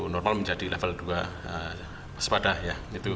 normal menjadi level dua waspada ya